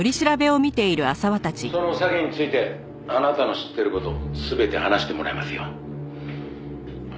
「その詐欺についてあなたの知ってる事全て話してもらいますよ」